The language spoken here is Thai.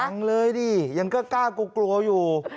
ยังเลยดิยังก็กล้ากลัวอยู่